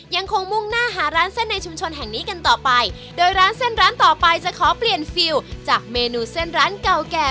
ยังคงมุ่งหน้าหาร้านเส้นในชุมชนแห่งนี้กันต่อไปโดยร้านเส้นร้านต่อไปจะขอเปลี่ยนฟิลจากเมนูเส้นร้านเก่าแก่